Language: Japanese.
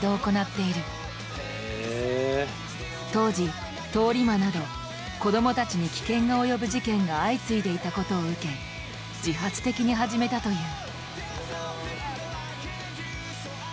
当時通り魔など子どもたちに危険が及ぶ事件が相次いでいたことを受け自発的に始めたという。